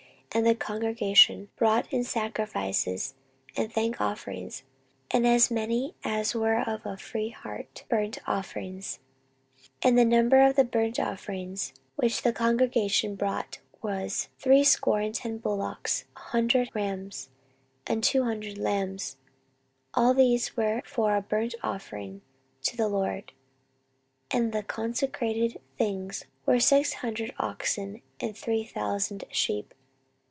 And the congregation brought in sacrifices and thank offerings; and as many as were of a free heart burnt offerings. 14:029:032 And the number of the burnt offerings, which the congregation brought, was threescore and ten bullocks, an hundred rams, and two hundred lambs: all these were for a burnt offering to the LORD. 14:029:033 And the consecrated things were six hundred oxen and three thousand sheep.